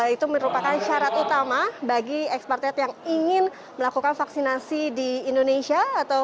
itu merupakan syarat utama bagi ekspatriat yang ingin melakukan vaksinasi di indonesia